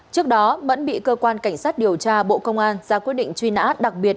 trước đó mẫn bị cơ quan cảnh sát điều tra bộ công an ra quyết định truy nã đặc biệt